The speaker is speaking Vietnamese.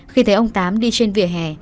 khi thấy ông tám đi trên vỉa hè